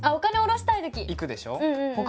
行くでしょ？